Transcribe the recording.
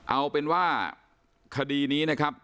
เอาเป็นว่าคดีนี้นะครับ